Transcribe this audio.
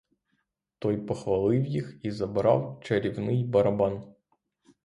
Той похвалив їх і забрав чарівний барабан.